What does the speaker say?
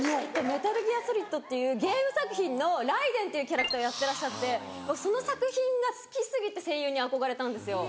『ＭＥＴＡＬＧＥＡＲＳＯＬＩＤ』っていうゲーム作品の雷電っていうキャラクターをやってらっしゃってその作品が好き過ぎて声優に憧れたんですよ。